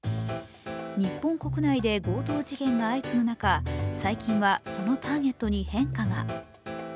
日本国内で強盗事件が相次ぐ中、最近は、そのターゲットに変化が。